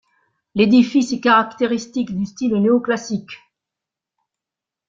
L'édiffice est caractéristique du style néo-classique.